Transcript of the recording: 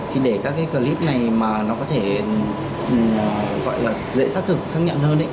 thì để các cái clip này mà nó có thể gọi là dễ xác thực xác nhận hơn